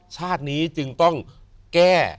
ชาตินี้จึงต้องแก้